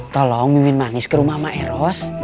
tolong mimpin manis ke rumah maeros